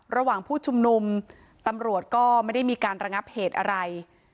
ระหว่างผู้ชุมนุมตำรวจก็ไม่ได้มีการระงับเหตุอะไร